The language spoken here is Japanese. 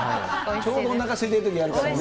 ちょうどおなかすいてるときやるからね。